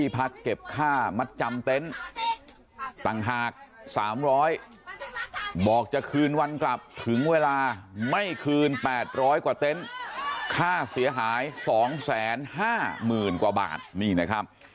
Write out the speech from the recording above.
พักเก็บค่ามัดจำเต็นต์ต่างหาก๓๐๐บอกจะคืนวันกลับถึงเวลาไม่คืน๘๐๐กว่าเต็นต์ค่าเสียหาย๒๕๐๐๐กว่าบาทนี่นะครับ